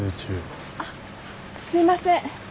あっすいません。